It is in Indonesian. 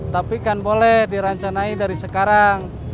tapi kan boleh dirancanain dari sekarang